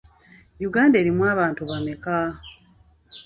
Uganda erimu abantu bameka?